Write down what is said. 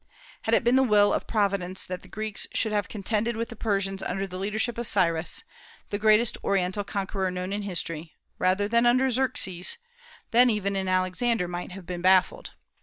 Had it been the will of Providence that the Greeks should have contended with the Persians under the leadership of Cyrus, the greatest Oriental conqueror known in history, rather than under Xerxes, then even an Alexander might have been baffled.